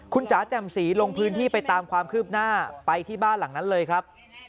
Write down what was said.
คุณจ๋าแจ่มสีลงพื้นที่ไปตามความคืบหน้าไปที่บ้านหลังนั้นเลยครับ